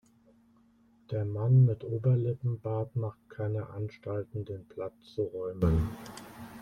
Der Mann mit Oberlippenbart macht keine Anstalten, den Platz zu räumen.